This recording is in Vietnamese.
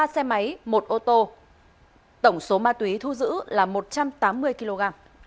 ba xe máy một ô tô tổng số ma túy thu giữ là một trăm tám mươi kg